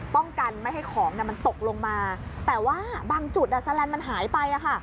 ป้องกันไม่ให้ของมันตกลงมาแต่ว่าบางจุดแลนด์มันหายไป